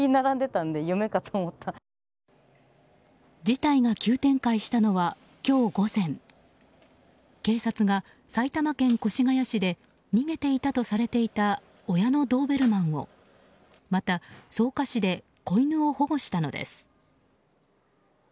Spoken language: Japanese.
事態が急展開したのは今日午前警察が埼玉県越谷市で逃げていたとされていた親のドーベルマンをまた、草加市で子犬を保護したのです。